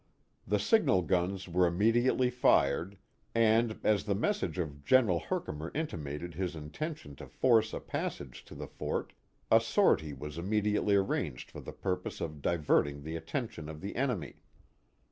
The signal guns were immediately fired, and, as the message of General Herkimer intimated his intention to force a pass age to the fort, a sortie was immediately arranged for the purpose of diverting the attention of the enemy.